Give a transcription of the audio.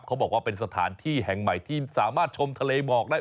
เขาบอกว่าเป็นสถานที่แห่งใหม่ที่สามารถชมทะเลหมอกได้